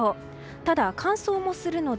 ただ、乾燥もするので